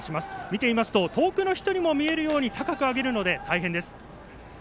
見ていますと遠くの人にも見えるように高く上げるので大変です。